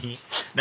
何？